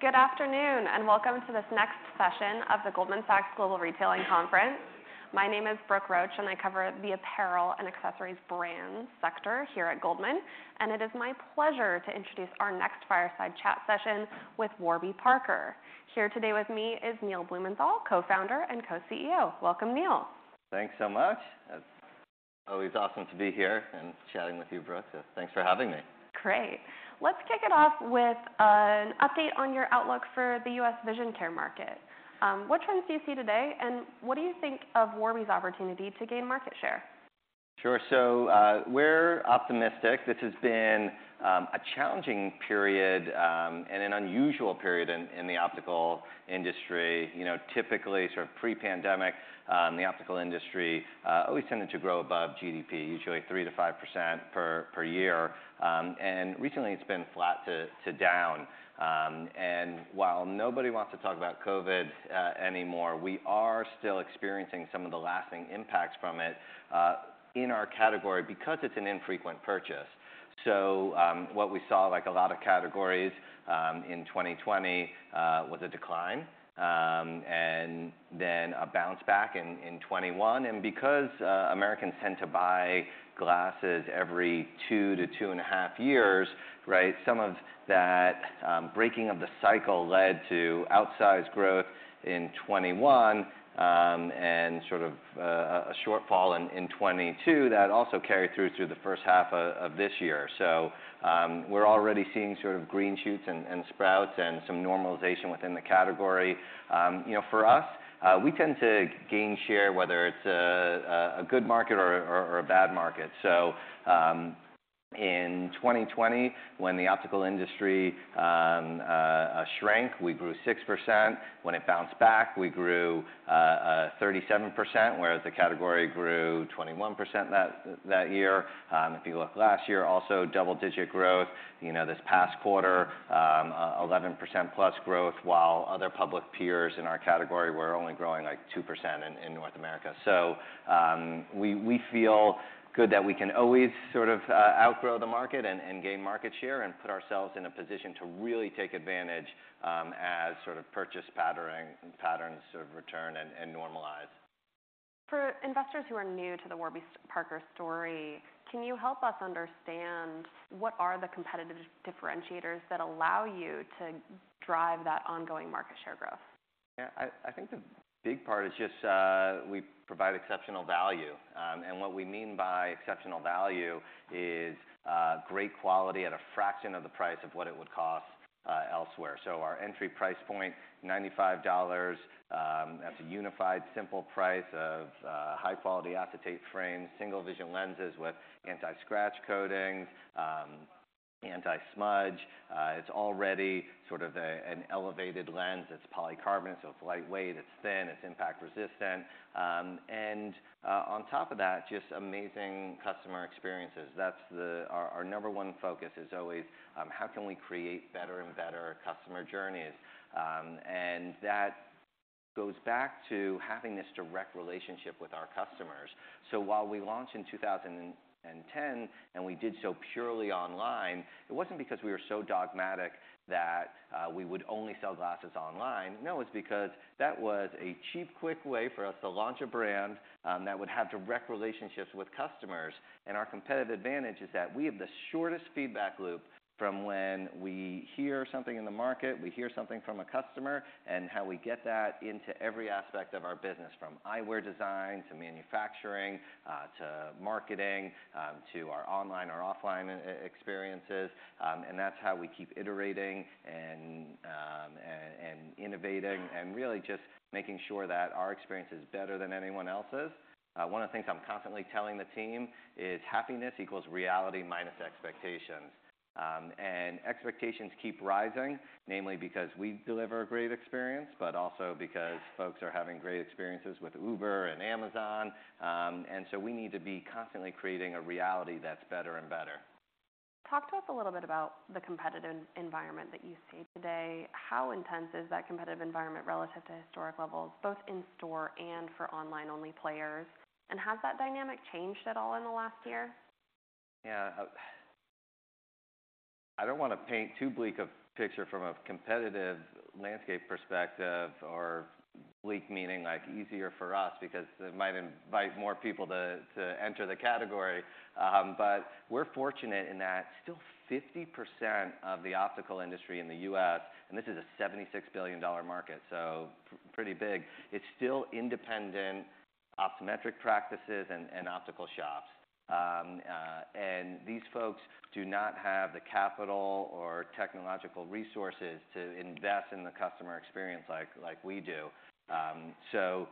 Good afternoon, and welcome to this next session of the Goldman Sachs Global Retailing Conference. My name is Brooke Roach, and I cover the apparel and accessories brand sector here at Goldman, and it is my pleasure to introduce our next fireside chat session with Warby Parker. Here today with me is Neil Blumenthal, co-founder and co-CEO. Welcome, Neil. Thanks so much. It's always awesome to be here and chatting with you, Brooke. So thanks for having me. Great! Let's kick it off with an update on your outlook for the U.S. vision care market. What trends do you see today, and what do you think of Warby's opportunity to gain market share? Sure. So, we're optimistic. This has been a challenging period and an unusual period in the optical industry. You know, typically, sort of pre-pandemic, the optical industry always tended to grow above GDP, usually 3%-5% per year. Recently, it's been flat to down. While nobody wants to talk about COVID anymore, we are still experiencing some of the lasting impacts from it in our category because it's an infrequent purchase. So, what we saw, like a lot of categories, in 2020, was a decline and then a bounce back in 2021. Because Americans tend to buy glasses every two to two and a half years, right? Some of that breaking of the cycle led to outsized growth in 2021, and sort of a shortfall in 2022 that also carried through to the first half of this year. So, we're already seeing sort of green shoots and sprouts and some normalization within the category. You know, for us, we tend to gain share whether it's a good market or a bad market. So, in 2020, when the optical industry shrank, we grew 6%. When it bounced back, we grew 37%, whereas the category grew 21% that year. If you look last year, also double-digit growth. You know, this past quarter, 11%+ growth, while other public peers in our category were only growing, like, 2% in North America. We feel good that we can always sort of outgrow the market and gain market share and put ourselves in a position to really take advantage, as sort of purchase patterns sort of return and normalize. For investors who are new to the Warby Parker story, can you help us understand what are the competitive differentiators that allow you to drive that ongoing market share growth? Yeah, I think the big part is just we provide exceptional value. And what we mean by exceptional value is great quality at a fraction of the price of what it would cost elsewhere. So our entry price point, $95, that's a unified, simple price of high-quality acetate frames, single vision lenses with anti-scratch coatings, anti-smudge. It's already sort of an elevated lens. It's polycarbonate, so it's lightweight, it's thin, it's impact resistant. And on top of that, just amazing customer experiences. That's the... Our number one focus is always how can we create better and better customer journeys? And that goes back to having this direct relationship with our customers. So while we launched in 2010, and we did so purely online, it wasn't because we were so dogmatic that we would only sell glasses online. No, it's because that was a cheap, quick way for us to launch a brand that would have direct relationships with customers, and our competitive advantage is that we have the shortest feedback loop from when we hear something in the market, we hear something from a customer, and how we get that into every aspect of our business, from eyewear design to manufacturing to marketing to our online or offline experiences. And that's how we keep iterating and innovating and really just making sure that our experience is better than anyone else's. One of the things I'm constantly telling the team is, happiness equals reality minus expectations. Expectations keep rising, namely because we deliver a great experience, but also because folks are having great experiences with Uber and Amazon. So we need to be constantly creating a reality that's better and better. Talk to us a little bit about the competitive environment that you see today. How intense is that competitive environment relative to historic levels, both in-store and for online-only players? And has that dynamic changed at all in the last year? Yeah, I don't want to paint too bleak a picture from a competitive landscape perspective, or bleak meaning, like, easier for us, because it might invite more people to enter the category. But we're fortunate in that still 50% of the optical industry in the U.S., and this is a $76 billion market, so pretty big, it's still independent optometric practices and optical shops. And these folks do not have the capital or technological resources to invest in the customer experience like we do. So,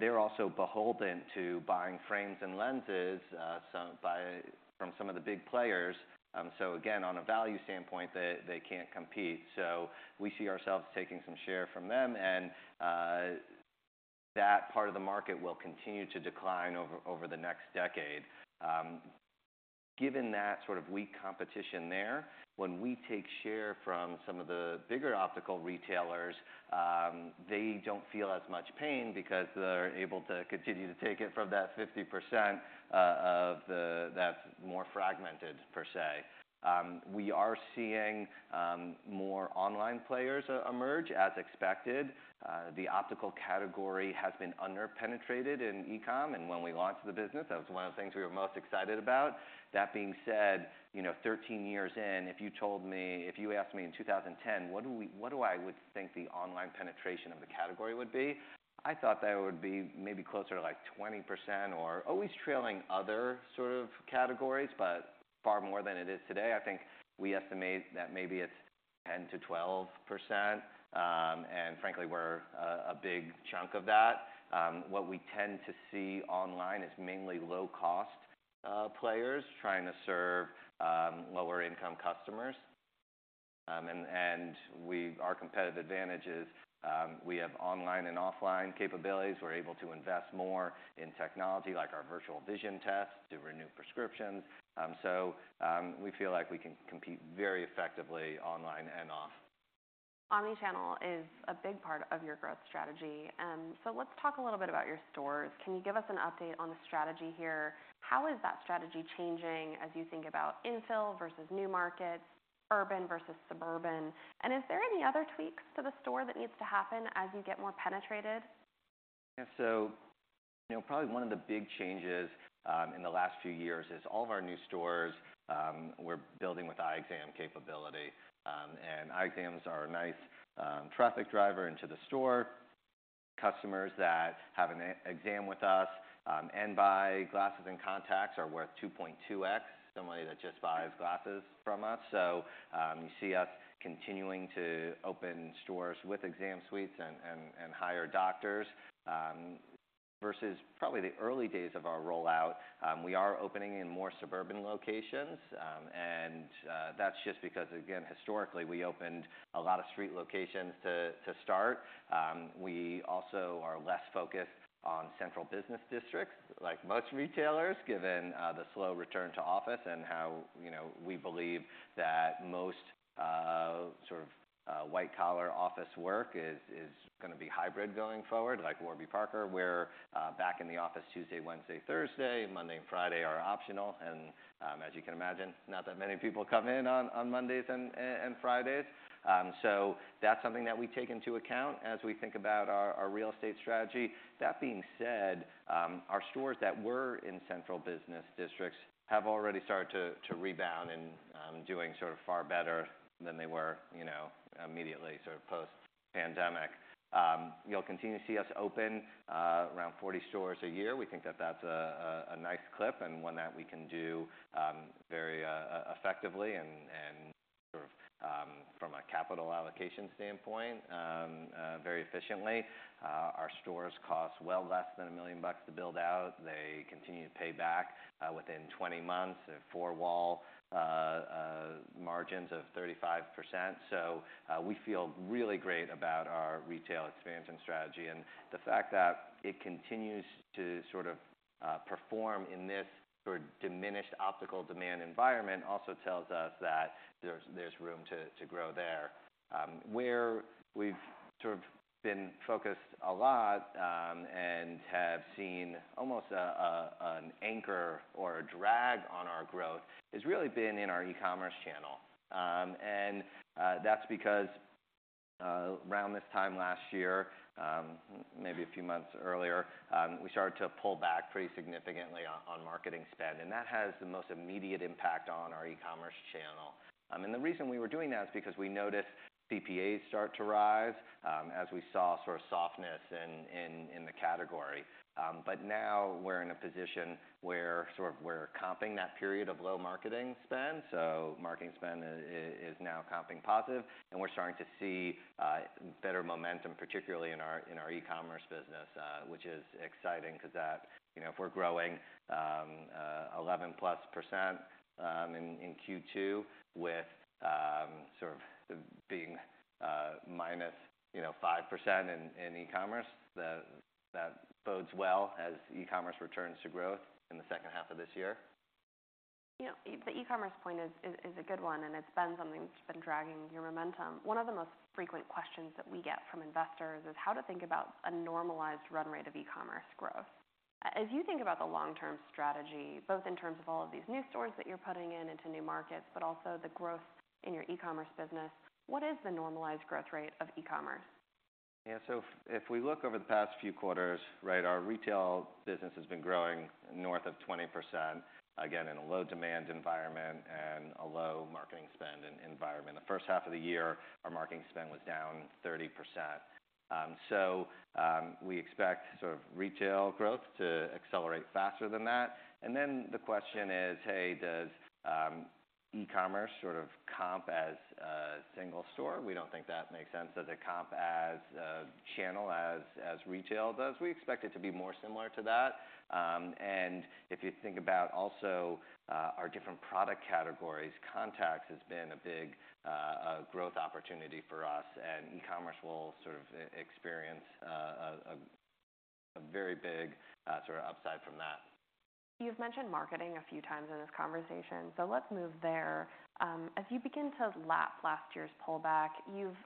they're also beholden to buying frames and lenses from some of the big players. So again, on a value standpoint, they can't compete. So we see ourselves taking some share from them, and that part of the market will continue to decline over the next decade. Given that sort of weak competition there, when we take share from some of the bigger optical retailers, they don't feel as much pain because they're able to continue to take it from that 50%, of that more fragmented per se. We are seeing more online players emerge as expected. The optical category has been under-penetrated in e-com, and when we launched the business, that was one of the things we were most excited about. That being said, you know, 13 years in, if you told me—if you asked me in 2010, what do we—what do I would think the online penetration of the category would be? I thought that would be maybe closer to, like, 20% or always trailing other sort of categories, but far more than it is today. I think we estimate that maybe it's 10%-12%, and frankly, we're a big chunk of that. What we tend to see online is mainly low-cost players trying to serve lower-income customers. And our competitive advantage is we have online and offline capabilities. We're able to invest more in technology, like our Virtual Vision Test, to renew prescriptions. So we feel like we can compete very effectively online and off. Omnichannel is a big part of your growth strategy. So let's talk a little bit about your stores. Can you give us an update on the strategy here? How is that strategy changing as you think about infill versus new markets, urban versus suburban? And is there any other tweaks to the store that needs to happen as you get more penetrated? Yeah. So, you know, probably one of the big changes in the last few years is all of our new stores we're building with eye exam capability. And eye exams are a nice traffic driver into the store. Customers that have an eye exam with us and buy glasses and contacts are worth 2.2x somebody that just buys glasses from us. So, you see us continuing to open stores with exam suites and hire doctors. Versus probably the early days of our rollout, we are opening in more suburban locations, and that's just because, again, historically, we opened a lot of street locations to start. We also are less focused on central business districts, like most retailers, given the slow return to office and how, you know, we believe that most, sort of, white-collar office work is gonna be hybrid going forward, like Warby Parker, where back in the office Tuesday, Wednesday, Thursday, Monday and Friday are optional. And as you can imagine, not that many people come in on Mondays and Fridays. So that's something that we take into account as we think about our real estate strategy. That being said, our stores that were in central business districts have already started to rebound and doing sort of far better than they were, you know, immediately sort of post-pandemic. You'll continue to see us open around 40 stores a year. We think that that's a nice clip, and one that we can do very effectively, and sort of from a capital allocation standpoint very efficiently. Our stores cost well less than $1 million to build out. They continue to pay back within 20 months at four-wall margins of 35%. So we feel really great about our retail expansion strategy, and the fact that it continues to sort of perform in this sort of diminished optical demand environment also tells us that there's room to grow there. Where we've sort of been focused a lot and have seen almost an anchor or a drag on our growth has really been in our e-commerce channel. And, that's because, around this time last year, maybe a few months earlier, we started to pull back pretty significantly on marketing spend, and that has the most immediate impact on our e-commerce channel. And the reason we were doing that is because we noticed CPAs start to rise, as we saw sort of softness in the category. But now we're in a position where sort of we're comping that period of low marketing spend, so marketing spend is now comping positive, and we're starting to see better momentum, particularly in our e-commerce business, which is exciting because that... You know, if we're growing 11%+ in Q2 with sort of being -5% in e-commerce, that bodes well as e-commerce returns to growth in the second half of this year. You know, the e-commerce point is a good one, and it's been something that's been dragging your momentum. One of the most frequent questions that we get from investors is how to think about a normalized run rate of e-commerce growth. As you think about the long-term strategy, both in terms of all of these new stores that you're putting into new markets, but also the growth in your e-commerce business, what is the normalized growth rate of e-commerce? Yeah. So if we look over the past few quarters, right, our retail business has been growing north of 20%, again, in a low-demand environment and a low marketing spend environment. The first half of the year, our marketing spend was down 30%. So we expect sort of retail growth to accelerate faster than that. And then the question is: Hey, does e-commerce sort of comp as a single store? We don't think that makes sense. Does it comp as a channel, as retail does? We expect it to be more similar to that. And if you think about also our different product categories, contacts has been a big growth opportunity for us, and e-commerce will sort of experience a very big sort of upside from that. You've mentioned marketing a few times in this conversation, so let's move there. As you begin to lap last year's pullback, you've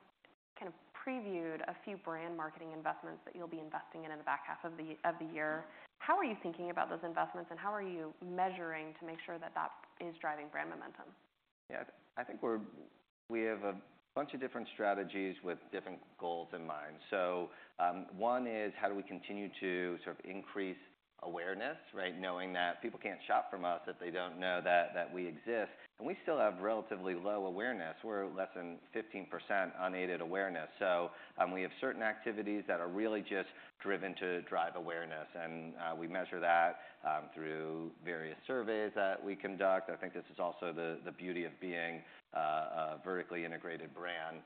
kind of previewed a few brand marketing investments that you'll be investing in, in the back half of the year. How are you thinking about those investments, and how are you measuring to make sure that that is driving brand momentum? Yeah, I think we have a bunch of different strategies with different goals in mind. So, one is how do we continue to sort of increase awareness, right? Knowing that people can't shop from us if they don't know that, that we exist, and we still have relatively low awareness. We're less than 15% unaided awareness, so, we have certain activities that are really just driven to drive awareness, and we measure that through various surveys that we conduct. I think this is also the beauty of being a vertically integrated brand,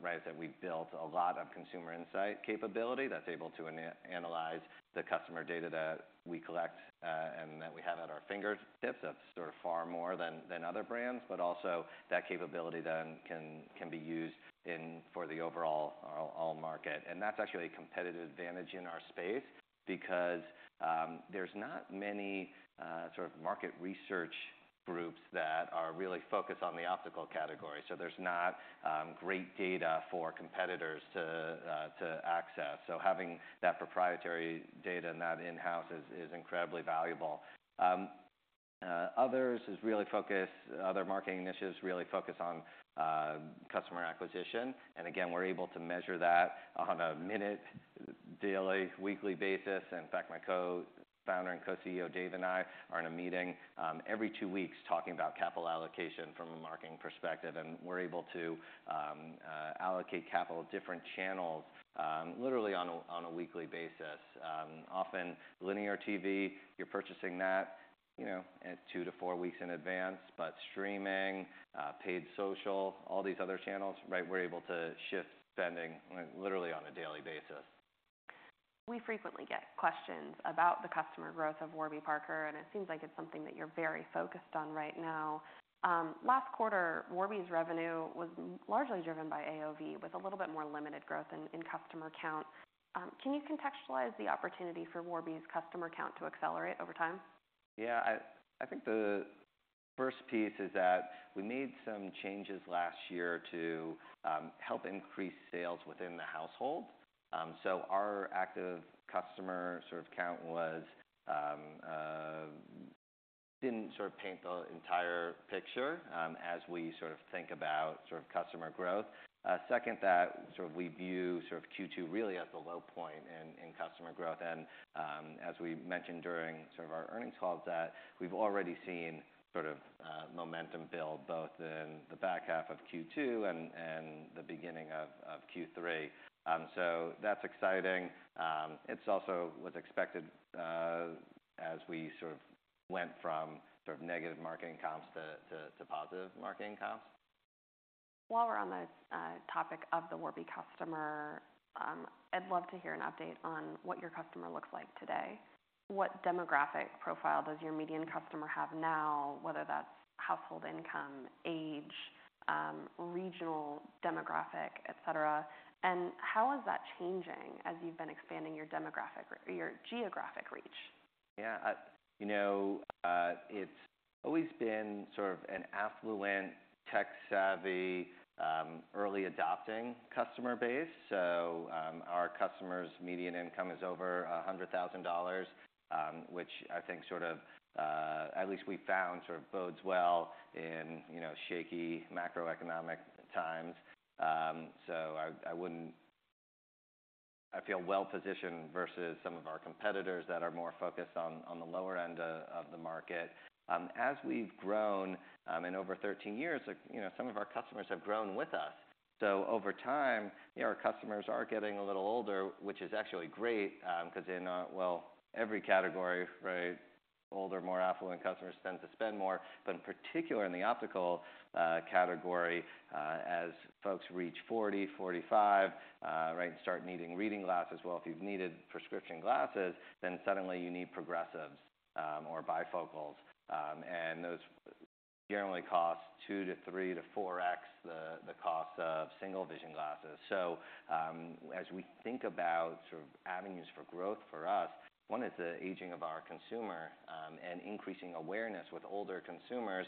right? Is that we've built a lot of consumer insight capability that's able to analyze the customer data that we collect, and that we have at our fingertips. That's sort of far more than other brands, but also that capability then can be used in for the overall, all market. That's actually a competitive advantage in our space because there's not many sort of market research groups that are really focused on the optical category, so there's not great data for competitors to access. So having that proprietary data and that in-house is incredibly valuable. Other marketing initiatives really focus on customer acquisition, and again, we're able to measure that on a minute, daily, weekly basis. In fact, my co-founder and co-CEO, Dave, and I are in a meeting every two weeks talking about capital allocation from a marketing perspective, and we're able to allocate capital, different channels, literally on a weekly basis. Often, linear TV, you're purchasing that, you know, at two to four weeks in advance, but streaming, paid social, all these other channels, right, we're able to shift spending literally on a daily basis. We frequently get questions about the customer growth of Warby Parker, and it seems like it's something that you're very focused on right now. Last quarter, Warby's revenue was largely driven by AOV, with a little bit more limited growth in customer count. Can you contextualize the opportunity for Warby's customer count to accelerate over time? Yeah, I, I think the first piece is that we made some changes last year to help increase sales within the household. So our active customer sort of count was didn't sort of paint the entire picture as we sort of think about sort of customer growth. Second, that sort of we view sort of Q2 really as the low point in customer growth, and as we mentioned during sort of our earnings call, that we've already seen sort of momentum build both in the back half of Q2 and the beginning of Q3. So that's exciting. It's also was expected as we sort of went from sort of negative marketing comps to positive marketing comps. While we're on the topic of the Warby customer, I'd love to hear an update on what your customer looks like today. What demographic profile does your median customer have now? Whether that's household income, age, regional, demographic, et cetera, and how is that changing as you've been expanding your demographic or your geographic reach? Yeah, you know, it's always been sort of an affluent, tech-savvy, early adopting customer base. So, our customers' median income is over $100,000, which I think sort of, at least we found, sort of bodes well in, you know, shaky macroeconomic times. So I, I wouldn't-- I feel well-positioned versus some of our competitors that are more focused on, on the lower end of, of the market. As we've grown, in over 13 years, you know, some of our customers have grown with us. So over time, you know, our customers are getting a little older, which is actually great, 'cause in, well, every category, right, older, more affluent customers tend to spend more, but in particular, in the optical category, as folks reach 40, 45, right, and start needing reading glasses, well, if you've needed prescription glasses, then suddenly you need progressives, or bifocals. And those generally cost 2x-3x-4x the, the cost of single-vision glasses. So, as we think about sort of avenues for growth for us, one is the aging of our consumer, and increasing awareness with older consumers,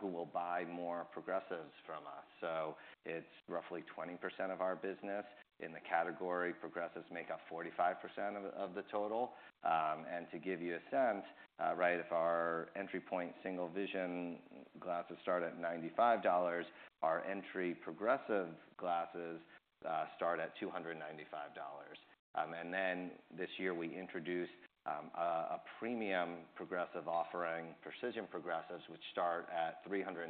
who will buy more progressives from us. So it's roughly 20% of our business. In the category, progressives make up 45% of, of the total. And to give you a sense, right, if our entry point, single-vision glasses start at $95, our entry progressive glasses start at $295. And then, this year, we introduced a premium progressive offering, Precision Progressives, which start at $395,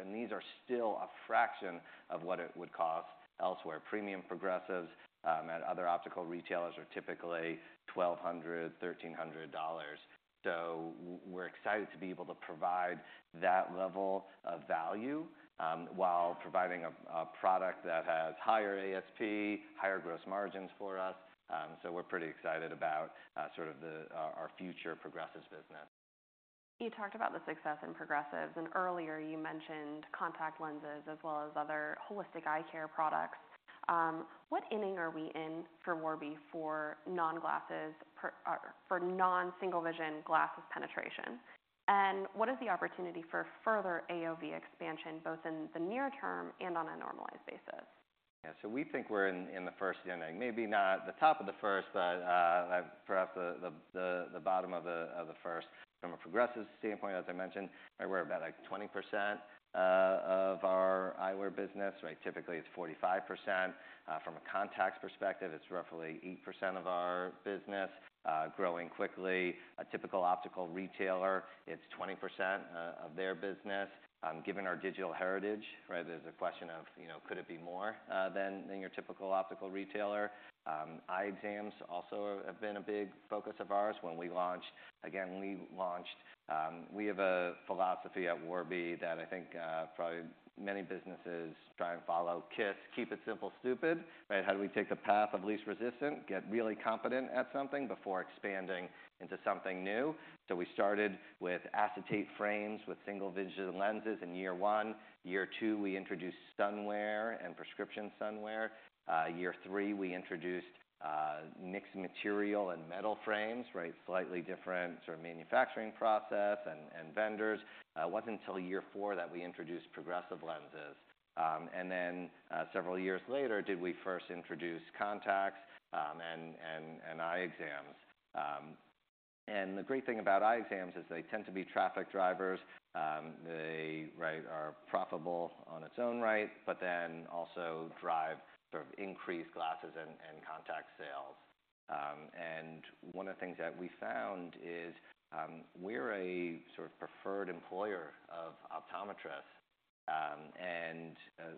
and these are still a fraction of what it would cost elsewhere. Premium progressives at other optical retailers are typically $1,200-$1,300. So we're excited to be able to provide that level of value while providing a product that has higher ASP, higher gross margins for us. So we're pretty excited about sort of the our future progressives business. You talked about the success in progressives, and earlier you mentioned contact lenses as well as other holistic eye care products. What inning are we in for Warby for non-glasses, for non-single vision glasses penetration? And what is the opportunity for further AOV expansion, both in the near term and on a normalized basis?... Yeah, so we think we're in the first inning. Maybe not the top of the first, but perhaps the bottom of the first. From a progressive standpoint, as I mentioned, right, we're about like 20% of our eyewear business, right? Typically, it's 45%. From a contacts perspective, it's roughly 8% of our business, growing quickly. A typical optical retailer, it's 20% of their business. Given our digital heritage, right, there's a question of, you know, could it be more than your typical optical retailer? Eye exams also have been a big focus of ours. When we launched. Again, when we launched, we have a philosophy at Warby that I think probably many businesses try and follow: KISS, Keep It Simple, Stupid, right? How do we take the path of least resistance, get really competent at something before expanding into something new? So we started with acetate frames, with single-vision lenses in year one. Year two, we introduced sunglasses and prescription sunglasses. Year three, we introduced mixed material and metal frames, right? Slightly different sort of manufacturing process and vendors. It wasn't until year four that we introduced progressive lenses. And then, several years later, did we first introduce contacts, and eye exams. And the great thing about eye exams is they tend to be traffic drivers. They, right, are profitable in its own right, but then also drive sort of increased glasses and contact sales. And one of the things that we found is, we're a sort of preferred employer of optometrists.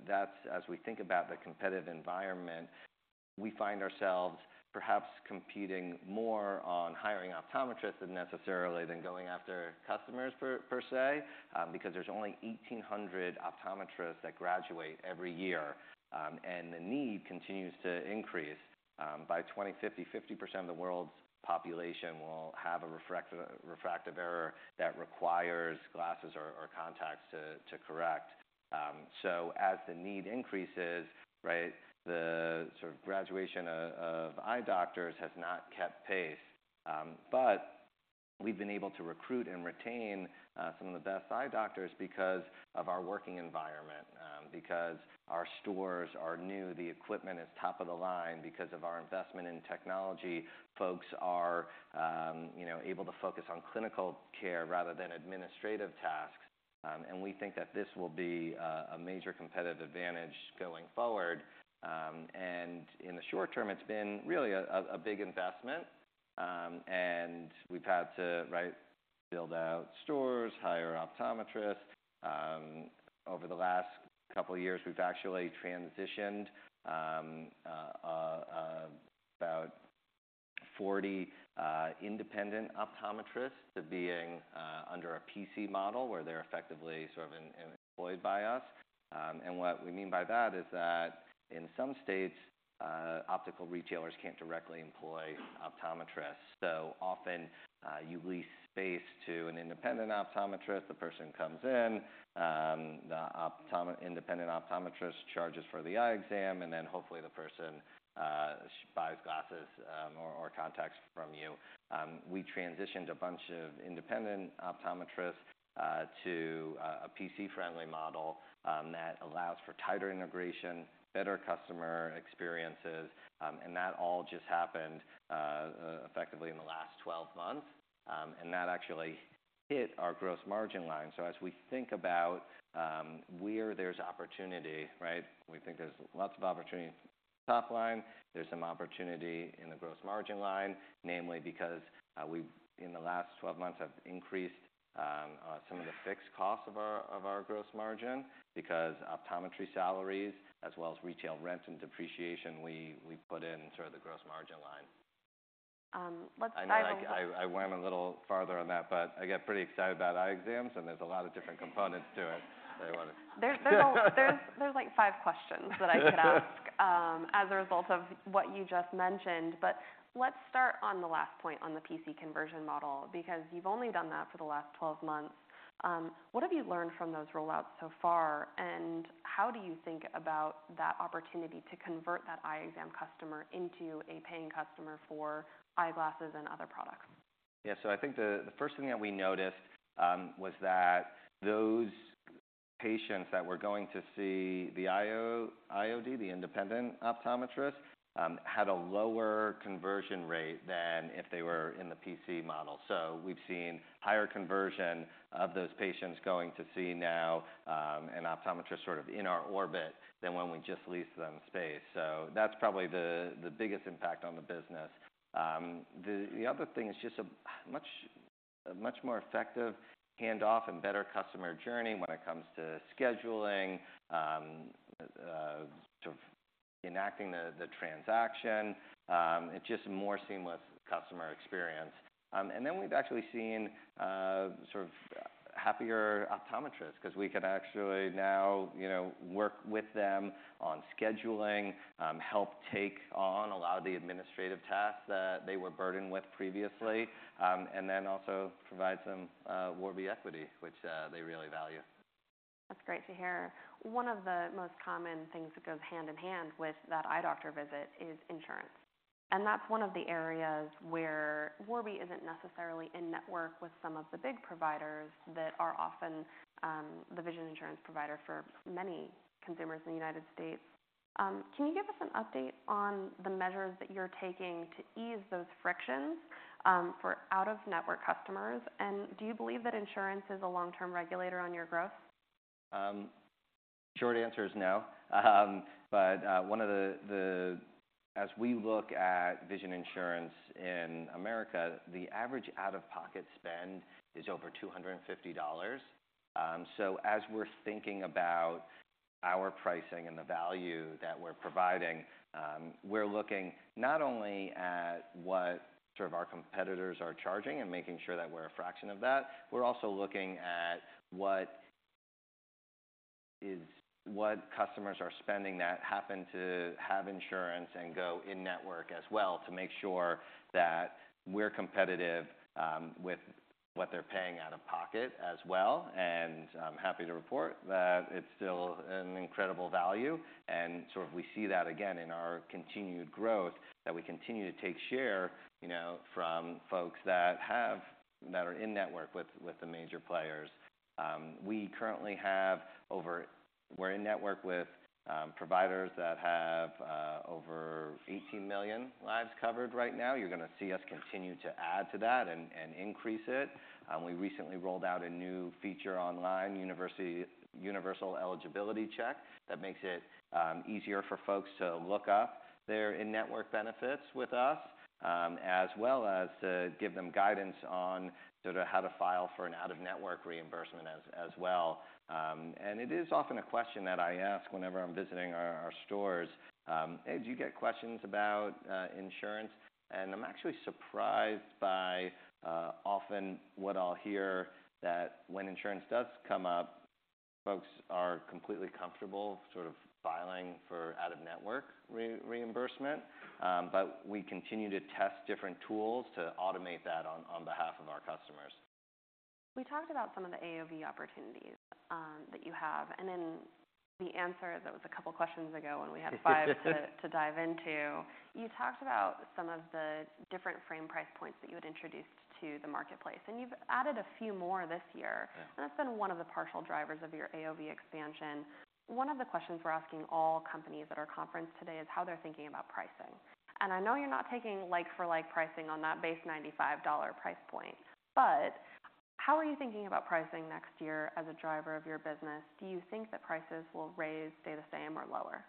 That's as we think about the competitive environment, we find ourselves perhaps competing more on hiring optometrists than necessarily than going after customers per se, because there's only 1,800 optometrists that graduate every year, and the need continues to increase. By 2050, 50% of the world's population will have a refractive error that requires glasses or contacts to correct. So as the need increases, right, the sort of graduation of eye doctors has not kept pace. But we've been able to recruit and retain some of the best eye doctors because of our working environment, because our stores are new, the equipment is top of the line. Because of our investment in technology, folks are, you know, able to focus on clinical care rather than administrative tasks, and we think that this will be a major competitive advantage going forward. And in the short term, it's been really a big investment, and we've had to, right, build out stores, hire optometrists. Over the last couple of years, we've actually transitioned about 40 independent optometrists to being under a PC model, where they're effectively sort of employed by us. And what we mean by that is that in some states, optical retailers can't directly employ optometrists. So often, you lease space to an independent optometrist, the person comes in, the independent optometrist charges for the eye exam, and then hopefully, the person buys glasses, or contacts from you. We transitioned a bunch of independent optometrists to a PC-friendly model that allows for tighter integration, better customer experiences, and that all just happened effectively in the last 12 months, and that actually hit our gross margin line. So as we think about where there's opportunity, right, we think there's lots of opportunity top line, there's some opportunity in the gross margin line, namely because we've in the last 12 months have increased some of the fixed costs of our gross margin, because optometry salaries, as well as retail rent and depreciation, we put in sort of the gross margin line. Let's dive. I know I went a little farther on that, but I get pretty excited about eye exams, and there's a lot of different components to it. There's like five questions that I could ask as a result of what you just mentioned. But let's start on the last point on the PC conversion model, because you've only done that for the last 12 months. What have you learned from those rollouts so far, and how do you think about that opportunity to convert that eye exam customer into a paying customer for eyeglasses and other products? Yeah. So I think the first thing that we noticed was that those patients that were going to see the IOD, the independent optometrist, had a lower conversion rate than if they were in the PC model. So we've seen higher conversion of those patients going to see now an optometrist sort of in our orbit, than when we just leased them space. So that's probably the biggest impact on the business. The other thing is just a much more effective handoff and better customer journey when it comes to scheduling sort of enacting the transaction. It's just a more seamless customer experience. And then we've actually seen, sort of happier optometrists, 'cause we can actually now, you know, work with them on scheduling, help take on a lot of the administrative tasks that they were burdened with previously, and then also provide some, Warby equity, which, they really value. That's great to hear. One of the most common things that goes hand in hand with that eye doctor visit is insurance... That's one of the areas where Warby isn't necessarily in network with some of the big providers that are often the vision insurance provider for many consumers in the United States. Can you give us an update on the measures that you're taking to ease those frictions for out-of-network customers? And do you believe that insurance is a long-term regulator on your growth? Short answer is no. But one of the—as we look at vision insurance in America, the average out-of-pocket spend is over $250. So as we're thinking about our pricing and the value that we're providing, we're looking not only at what sort of our competitors are charging and making sure that we're a fraction of that, we're also looking at what customers are spending that happen to have insurance and go in-network as well, to make sure that we're competitive with what they're paying out of pocket as well. And I'm happy to report that it's still an incredible value, and sort of we see that again in our continued growth, that we continue to take share, you know, from folks that have that are in-network with the major players. We currently are in network with providers that have over 18 million lives covered right now. You're going to see us continue to add to that and increase it. We recently rolled out a new feature online, Universal Eligibility Check, that makes it easier for folks to look up their in-network benefits with us, as well as to give them guidance on sort of how to file for an out-of-network reimbursement as well. And it is often a question that I ask whenever I'm visiting our stores: "Hey, do you get questions about insurance?" And I'm actually surprised by often what I'll hear, that when insurance does come up, folks are completely comfortable sort of filing for out-of-network reimbursement. But we continue to test different tools to automate that on behalf of our customers. We talked about some of the AOV opportunities, that you have, and in the answer that was a couple of questions ago when we had to dive into, you talked about some of the different frame price points that you had introduced to the marketplace, and you've added a few more this year. Yeah. And that's been one of the partial drivers of your AOV expansion. One of the questions we're asking all companies at our conference today is how they're thinking about pricing. And I know you're not taking, like for like, pricing on that base $95 price point, but how are you thinking about pricing next year as a driver of your business? Do you think that prices will rise, stay the same, or lower?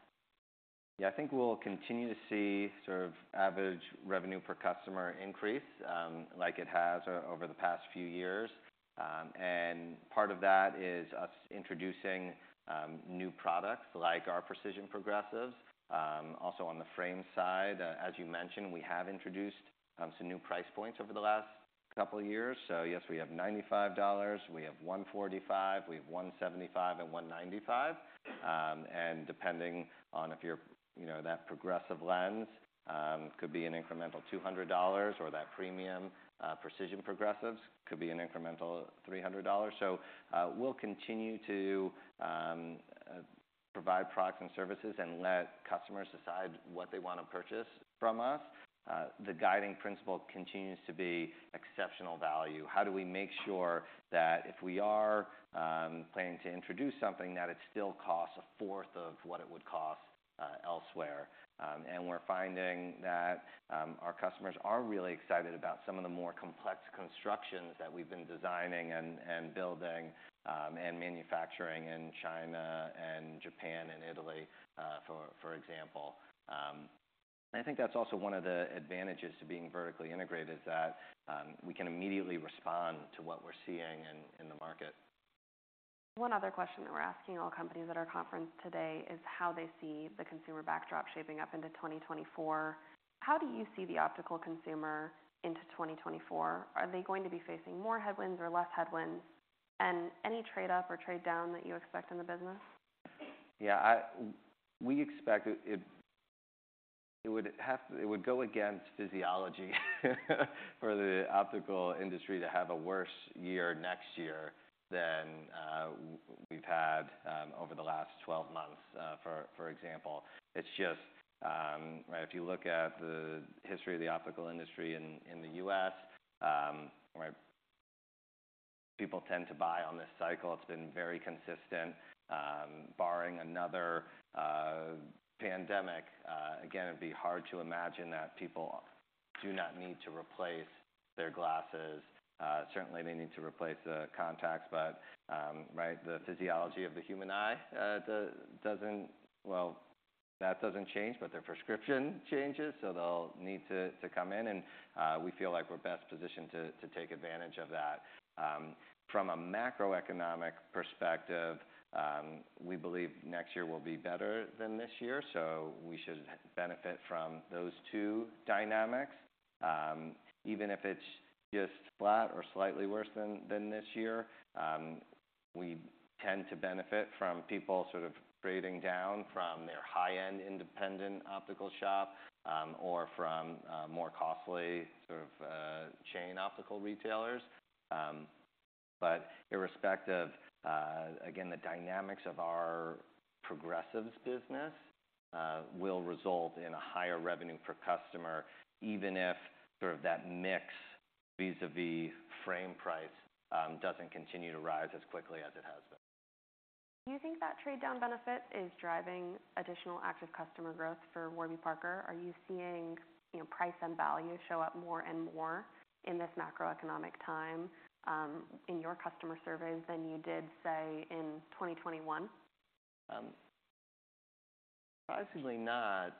Yeah, I think we'll continue to see sort of average revenue per customer increase, like it has over the past few years. And part of that is us introducing new products like our Precision Progressives. Also on the frame side, as you mentioned, we have introduced some new price points over the last couple of years. So yes, we have $95, we have $145, we have $175, and $195. And depending on if you're, you know, that progressive lens could be an incremental $200, or that premium Precision Progressives could be an incremental $300. So, we'll continue to provide products and services and let customers decide what they want to purchase from us. The guiding principle continues to be exceptional value. How do we make sure that if we are planning to introduce something, that it still costs a fourth of what it would cost elsewhere? And we're finding that our customers are really excited about some of the more complex constructions that we've been designing and building and manufacturing in China and Japan and Italy, for example. And I think that's also one of the advantages to being vertically integrated, is that we can immediately respond to what we're seeing in the market. One other question that we're asking all companies at our conference today is how they see the consumer backdrop shaping up into 2024. How do you see the optical consumer into 2024? Are they going to be facing more headwinds or less headwinds? And any trade up or trade down that you expect in the business? Yeah, we expect it would go against physiology for the optical industry to have a worse year next year than we've had over the last 12 months, for example. It's just... Right, if you look at the history of the optical industry in the U.S., where people tend to buy on this cycle, it's been very consistent. Barring another pandemic again, it'd be hard to imagine that people do not need to replace their glasses. Certainly, they need to replace the contacts, but right, the physiology of the human eye doesn't... Well, that doesn't change, but their prescription changes, so they'll need to come in, and we feel like we're best positioned to take advantage of that. From a macroeconomic perspective, we believe next year will be better than this year, so we should benefit from those two dynamics. Even if it's just flat or slightly worse than this year, we tend to benefit from people sort of grading down from their high-end independent optical shop, or from more costly sort of chain optical retailers. But irrespective, again, the dynamics of our progressives business will result in a higher revenue per customer, even if sort of that mix vis-a-vis frame price doesn't continue to rise as quickly as it has been. Do you think that trade-down benefit is driving additional active customer growth for Warby Parker? Are you seeing, you know, price and value show up more and more in this macroeconomic time, in your customer surveys than you did, say, in 2021? Surprisingly not.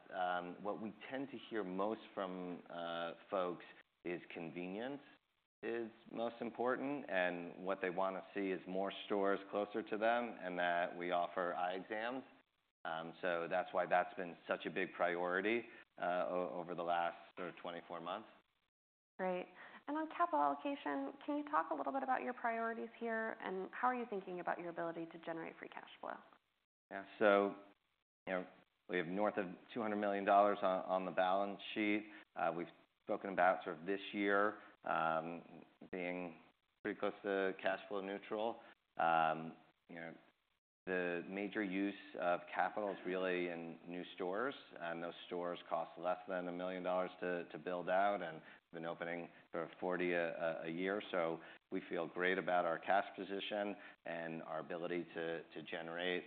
What we tend to hear most from folks is convenience is most important, and what they wanna see is more stores closer to them, and that we offer eye exams. So that's why that's been such a big priority over the last sort of 24 months. Great. On capital allocation, can you talk a little bit about your priorities here, and how are you thinking about your ability to generate free cash flow? Yeah. So, you know, we have north of $200 million on the balance sheet. We've spoken about sort of this year being pretty close to cash flow neutral. You know, the major use of capital is really in new stores, and those stores cost less than $1 million to build out, and we've been opening sort of 40 a year. So we feel great about our cash position and our ability to generate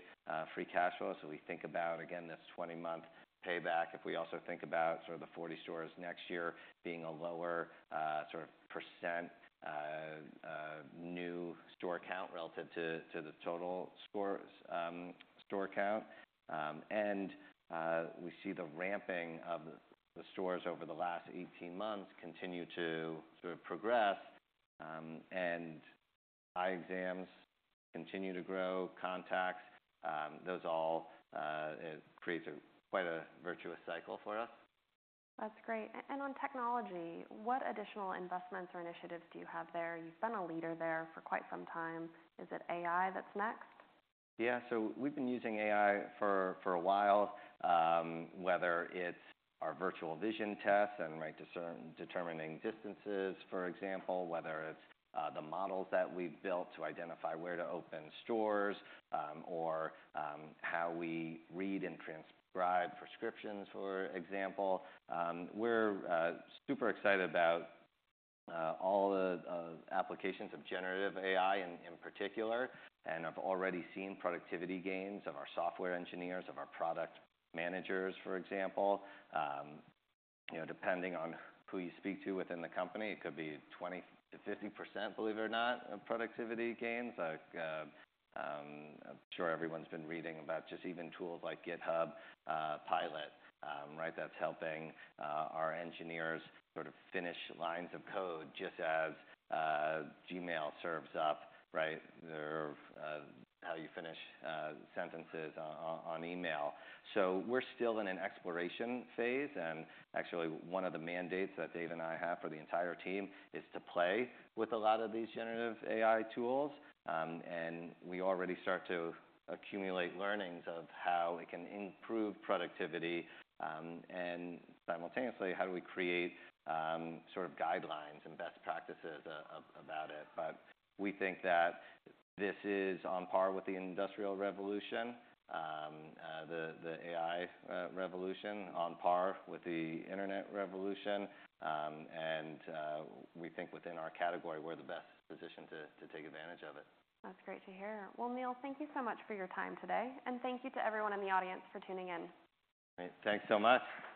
free cash flow. So we think about, again, this 20-month payback. If we also think about sort of the 40 stores next year being a lower sort of percent new store count relative to the total stores, store count. We see the ramping of the stores over the last 18 months continue to sort of progress, and eye exams continue to grow, contacts, those all, it creates quite a virtuous cycle for us. That's great. On technology, what additional investments or initiatives do you have there? You've been a leader there for quite some time. Is it AI that's next? Yeah. So we've been using AI for a while, whether it's our Virtual Vision Tests and, like, determining distances, for example, whether it's the models that we've built to identify where to open stores, or how we read and transcribe prescriptions, for example. We're super excited about all the applications of generative AI in particular, and have already seen productivity gains of our software engineers, of our product managers, for example. You know, depending on who you speak to within the company, it could be 20%-50%, believe it or not, of productivity gains. Like, I'm sure everyone's been reading about just even tools like GitHub Copilot, right? That's helping our engineers sort of finish lines of code just as Gmail serves up, right, their how you finish sentences on email. So we're still in an exploration phase, and actually, one of the mandates that Dave and I have for the entire team is to play with a lot of these generative AI tools. And we already start to accumulate learnings of how it can improve productivity, and simultaneously, how do we create sort of guidelines and best practices about it. But we think that this is on par with the Industrial Revolution, the the AI revolution, on par with the Internet revolution, and we think within our category, we're the best positioned to to take advantage of it. That's great to hear. Well, Neil, thank you so much for your time today, and thank you to everyone in the audience for tuning in. Great. Thanks so much.